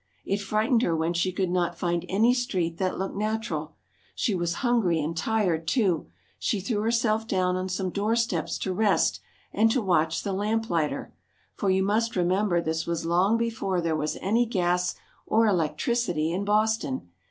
It frightened her when she could not find any street that looked natural. She was hungry and tired, too. She threw herself down on some door steps to rest and to watch the lamplighter, for you must remember this was long before there was any gas or electricity in Boston.